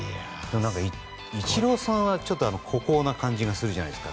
イチローさんは孤高な感じがするじゃないですか。